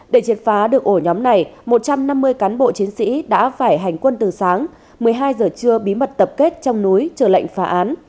để triệt phá được ổ nhóm này một trăm năm mươi cán bộ chiến sĩ đã phải hành quân từ sáng một mươi hai giờ trưa bí mật tập kết trong núi chờ lệnh phá án